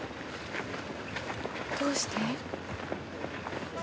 どうして？